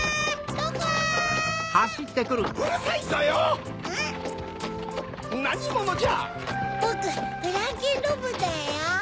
ぼくフランケンロボだよ。